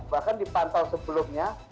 bahkan dipantau sebelumnya